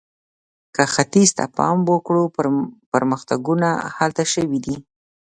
که ختیځ ته پام وکړو، پرمختګونه هلته شوي دي.